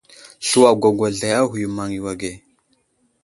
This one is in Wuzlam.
Slu agwagwazlay a ghuyo i maŋ yo age.